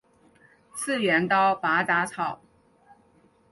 次元刀拔杂草